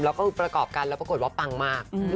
แล้วก็ประกอบกันแล้วปรากฏว่าปังมาก